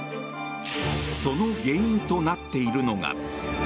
その原因となっているのが。